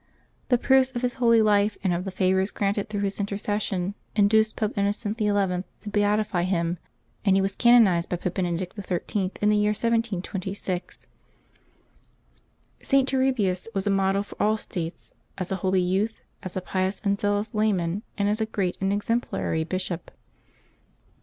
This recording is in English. The proofs of his holy life and of the favors granted through his intercession induced Pope Innocent XI. to beatify him, and he was canonized by Pope Benedict XIII. in the year 1726. LIVES OF THE SAINTS 397 Saint Turribius was a model for all states — as a holy youth, as a pious and zealous layman, as a great and ex emplary bishop.